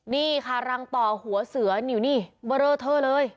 นี่ค่ะรังต่อหัวเสือนอยู่นี่เบอร์เท่าเลย